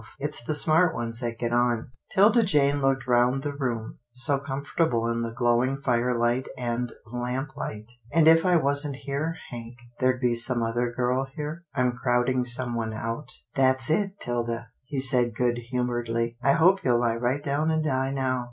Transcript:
It's the smart ones that get on." 'Tilda Jane looked round the room, so comfort able in the glowing firelight and lamp light. " And if I wasn't here. Hank, there'd be some other girl here? I'm crowding someone out." " That's it, 'Tilda," he said good humouredly. " I hope you'll lie right down and die now."